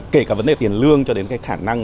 kể cả vấn đề tiền lương cho đến cái khả năng